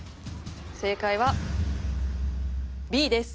正解はＢです。